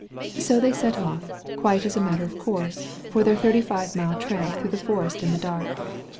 So they set off, quite as a matter of course, for their thirty five mile tramp through the forest in the dark.